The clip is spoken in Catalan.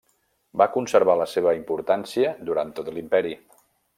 Va conservar la seva importància durant tot l'imperi.